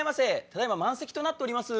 ただ今満席となっております。